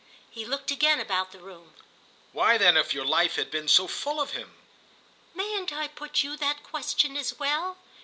He looked again about the room. "Why then, if your life had been so full of him?" "Mayn't I put you that question as well?